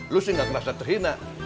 lo sih gak kerasa terhina